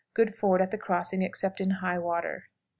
Good ford at the crossing except in high water.